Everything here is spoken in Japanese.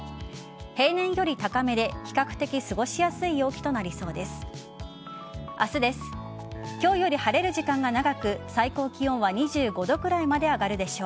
平年より高めで比較的過ごしやすい陽気となりそうです。